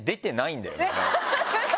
ハハハハ！